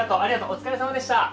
お疲れさまでした。